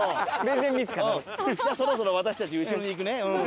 じゃあそろそろ私たち後ろに行くねうん。